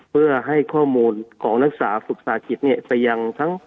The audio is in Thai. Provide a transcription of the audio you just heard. เพื่อให้ข้อมูลของนักศึกษาฝึกสาหกิจเนี่ยไปยังทั้ง